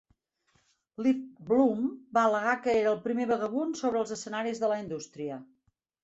Lew Bloom va al·legar que era "el primer vagabund sobre els escenaris de la indústria".